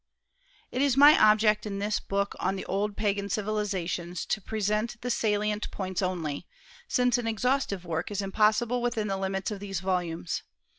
It is my object in this book on the old Pagan civilizations to present the salient points only, since an exhaustive work is impossible within the limits of these volumes.